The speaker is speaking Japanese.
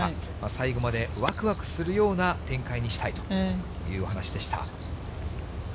最後までわくわくするような展開にしたいというお話でした。